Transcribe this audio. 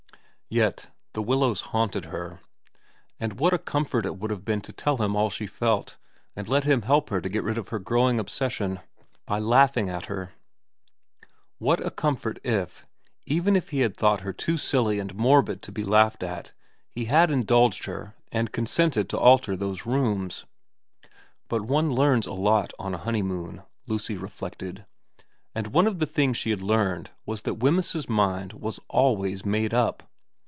Yet The Willows haunted her, and what a comfort it would have been to tell him all she felt and let him help her to get rid of her growing obsession by laughing at her. What a comfort if, even if he had thought her too silly and morbid to be laughed at, he had indulged her and consented to alter those rooms. But one learns a lot on a honeymoon, Lucy reflected, and one of the things she had learned was that Wemyss's mind was always made up.